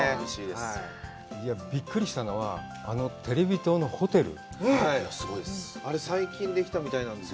びっくりしたのは、あのテレビ塔のホテル。